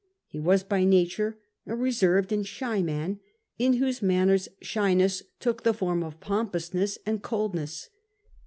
He was by nature a reserved and shy man, in whose manners shyness took the form of pompousness and coldness.